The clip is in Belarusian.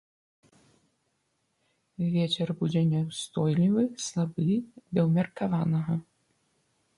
Вецер будзе няўстойлівы слабы да ўмеркаванага.